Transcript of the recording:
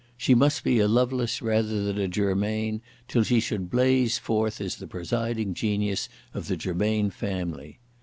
She must be a Lovelace rather than a Germain till she should blaze forth as the presiding genius of the Germain family.